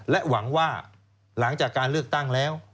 หวังว่าหลังจากการเลือกตั้งแล้ว